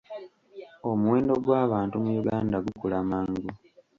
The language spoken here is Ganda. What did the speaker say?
Omuwendo gw'abantu mu Uganda gukula mangu.